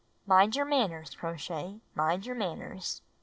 "Mind your manners. Crow Shay! Mind your manners!"